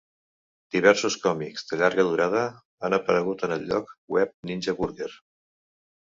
Diversos còmics de llarga durada han aparegut en el lloc web ninja Burger.